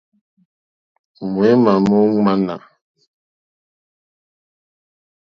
Mǒémá mó ɲàmà.